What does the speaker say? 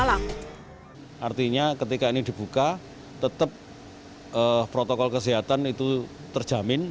artinya ketika ini dibuka tetap protokol kesehatan itu terjamin